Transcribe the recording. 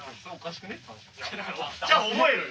じゃあ覚えろよ！